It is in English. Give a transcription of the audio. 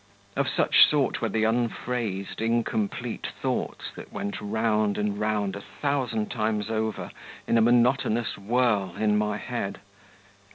Of such sort were the unphrased, incomplete thoughts that went round and round a thousand times over in a monotonous whirl in my head.